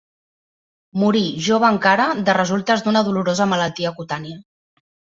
Morí, jove encara, de resultes d'una dolorosa malaltia cutània.